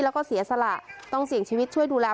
แล้วก็เสียสละต้องเสี่ยงชีวิตช่วยดูแล